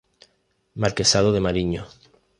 Marquesado de Mariño.